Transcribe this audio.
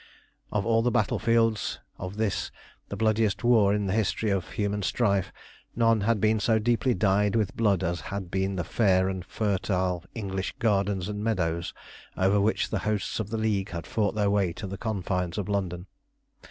Of all the battlefields of this the bloodiest war in the history of human strife, none had been so deeply dyed with blood as had been the fair and fertile English gardens and meadows over which the hosts of the League had fought their way to the confines of London.